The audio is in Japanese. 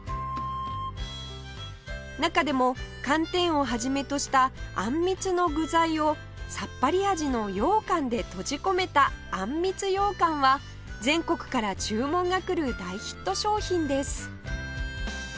中でも寒天を始めとしたあんみつの具材をさっぱり味の羊かんで閉じ込めたあんみつ羊かんは全国から注文が来る大ヒット商品です